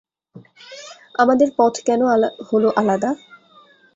আমাদের পথ কেন হল আলাদা।